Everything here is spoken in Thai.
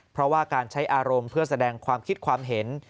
เพราะว่าการใช้อารมณ์เพื่อแสดงความคิดความเห็น